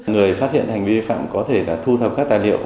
người phát hiện hành vi vi phạm có thể là thu thập các tài liệu